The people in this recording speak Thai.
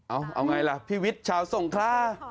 เอาอย่างไรล่ะพี่วิทย์ชาวส่งคลา